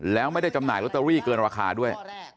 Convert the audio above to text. แล้วไม่ได้จำหน่ายลอตเตอรี่เกินราคาด้วย